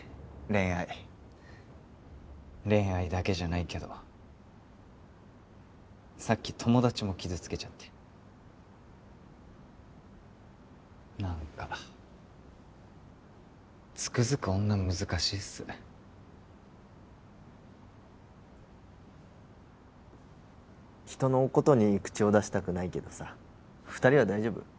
恋愛恋愛だけじゃないけどさっき友達も傷つけちゃって何かつくづく女難しいっす人のことに口を出したくないけどさ２人は大丈夫？